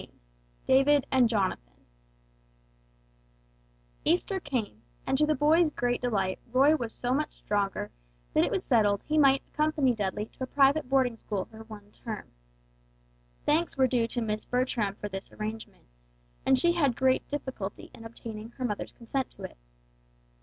XVI DAVID AND JONATHAN Easter came, and to the boys' great delight Roy was so much stronger that it was settled he might accompany Dudley to a private boarding school for one term. Thanks were due to Miss Bertram for this arrangement; and she had great difficulty in obtaining her mother's consent to it.